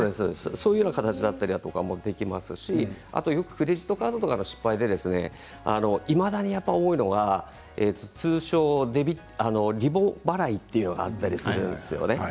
そういう形だったりもできますしクレジットカードの失敗でいまだに多いのが通称リボ払いというのがあったりするんですよね。